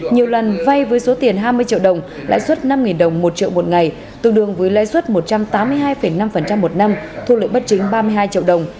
nhiều lần vay với số tiền hai mươi triệu đồng lãi suất năm đồng một triệu một ngày tương đương với lãi suất một trăm tám mươi hai năm một năm thu lợi bất chính ba mươi hai triệu đồng